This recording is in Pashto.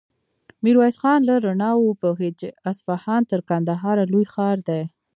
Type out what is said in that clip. ميرويس خان له رڼاوو وپوهېد چې اصفهان تر کندهاره لوی ښار دی.